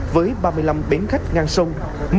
với ba mươi năm bến khách ngang sông